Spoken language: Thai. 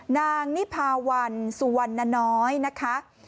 นางนิพาวันสุวรรณน้อยนะคะ